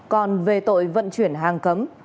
còn về tội vận chuyển hàng cấm